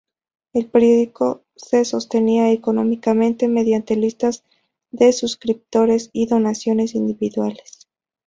El periódico se sostenía económicamente mediante listas de suscriptores y donaciones individuales.